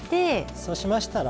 そうしましたら。